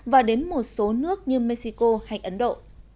và đến một số nước như mexico hay ấn độ